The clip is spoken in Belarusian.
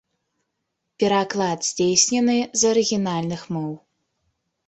Пераклад здзейснены з арыгінальных моў.